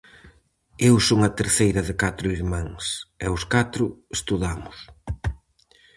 Eu son a terceira de catro irmáns, e os catro estudamos.